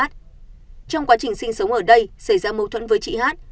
trong quá trình sinh sống ở đây xảy ra mâu thuẫn với chị hát